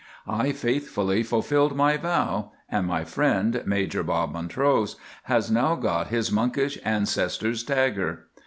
I faithfully fulfilled my vow, and my friend, Major Bob Montrose, has now got his monkish ancestor's dagger."